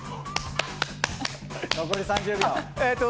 残り３０秒。